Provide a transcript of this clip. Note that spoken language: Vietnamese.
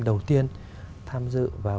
đầu tiên tham dự vào